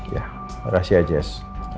ya terima kasih ya jess